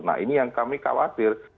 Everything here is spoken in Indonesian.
nah ini yang kami khawatir